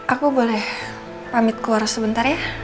aku boleh pamit keluar sebentar ya